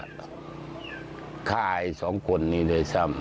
ฆ่าไอ้สองคนนี้ด้วยซ้ำ